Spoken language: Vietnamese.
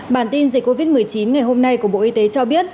bản tin dịch covid một mươi chín ngày hôm nay của bộ y tế cho biết